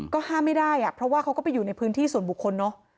ก็ห้ามไม่ได้เพราะว่าเขาก็ไปอยู่ในพื้นที่ส่วนบุคคลเนอะ